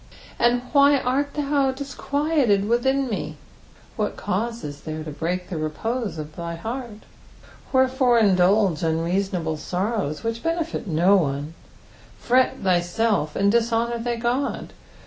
"And v>bp art thou disqnUled tcitkia met" What cause is there to break the repose of thy heart ? Wherefore in dulge unreasonable sorrows, which benefit no one, fret thyself, and dishonour thy Qod?